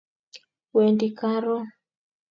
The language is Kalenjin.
Wendi karon